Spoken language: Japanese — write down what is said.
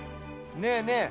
ねえねえ